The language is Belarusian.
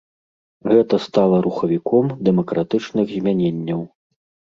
Гэта стала рухавіком дэмакратычных змяненняў.